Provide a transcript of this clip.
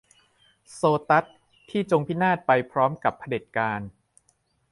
- โซตัส ที่จงพินาศไปพร้อมกับเผด็จการ